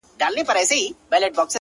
• ستا د ږغ څــپــه ، څـپه ،څپــه نـه ده،